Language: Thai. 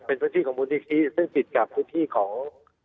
เป็นพื้นที่ของมูลนิธิซึ่งติดกับพื้นที่ของ